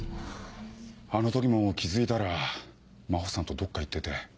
あの時も気付いたら真帆さんとどっか行ってて。